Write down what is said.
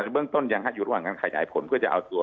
เบื้องต้นยังอยู่ระหว่างการขยายผลเพื่อจะเอาตัว